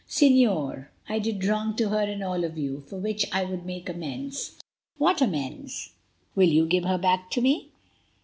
"Señor, I did wrong to her and all of you, for which I would make amends." "What amends? Will you give her back to me?"